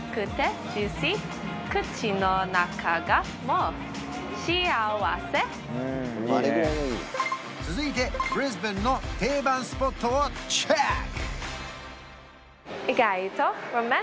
うん続いてブリスベンの定番スポットをチェック！